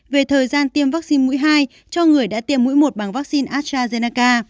về thời gian tiêm vaccine mũi hai cho người đã tiêm mũi một bằng vaccine astrazenaca